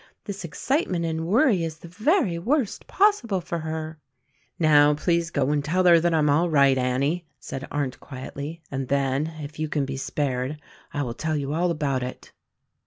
This excitement and worry is the very worst possible for her." "Now, please go and tell her that I am all right, Annie." said Arndt quietly, "and then, if you can be spared, I will tell you all about it."